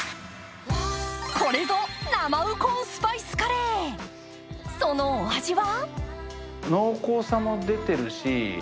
これぞ生ウコンスパイスカレーそのお味は？